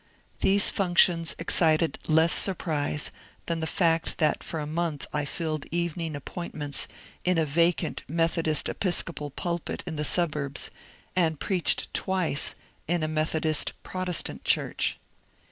These functions excited less surprise than the fact that for a month I filled evening appointments in a vacant Methodist Episcopal pulpit in the suburbs, and preached twice in a Methodist Protestant church.